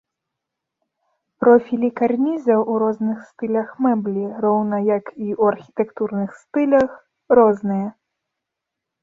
Профілі карнізаў у розных стылях мэблі, роўна, як і ў архітэктурных стылях, розныя.